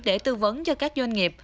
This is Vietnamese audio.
để tư vấn cho các doanh nghiệp